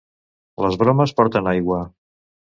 Les bromes porten aigua.